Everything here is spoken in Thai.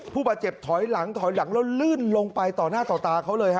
ผู้บาดเจ็บถอยหลังถอยหลังแล้วลื่นลงไปต่อหน้าต่อตาเขาเลยฮะ